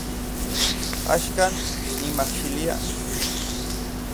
Axkan nimajxilia